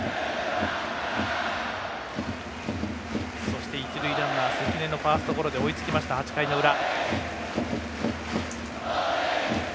そして、一塁ランナー、関根のファーストゴロで追いつきました、８回の裏。